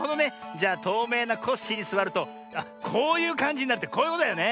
じゃとうめいなコッシーにすわるとあっこういうかんじになるってこういうことだよね。